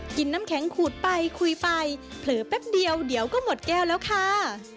น้ำแข็งขูดไปคุยไปเผลอแป๊บเดียวเดี๋ยวก็หมดแก้วแล้วค่ะ